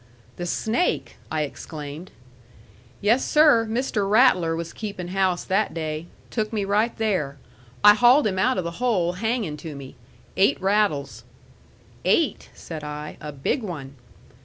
"The snake!" I exclaimed. "Yes, sir. Mr. Rattler was keepin' house that day. Took me right there. I hauled him out of the hole hangin' to me. Eight rattles." "Eight!" said I. "A big one."